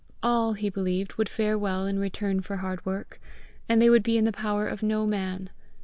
All, he believed, would fare well in return for hard work, and they would be in the power of no man.